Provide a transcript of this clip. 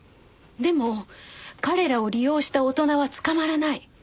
でも彼らを利用した大人は捕まらない。